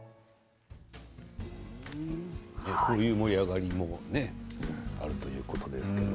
こういう盛り上がりもねあるということですけれど。